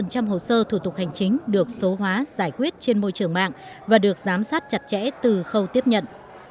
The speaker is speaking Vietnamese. một trăm linh hồ sơ thủ tục hành chính được số hóa giải quyết trên môi trường mạng và được giám sát chặt chẽ từ khâu tiếp nhận